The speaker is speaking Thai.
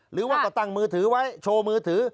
หรือว่าก็ตั้งมือถือไว้โชว์มือถือ